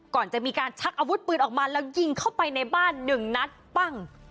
ก่อนจะมีการชักอาวุธปืนออกมาแล้วยิงเข้าไปในบ้านหนึ่งนัดปั้ง